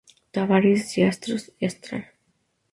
Tabarís, Astros y Astral.